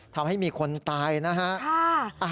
ทำให้มีคนตายนะฮะ